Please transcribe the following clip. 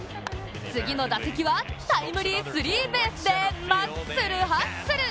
次の打席は、タイムリースリーベースでマッスルハッスル！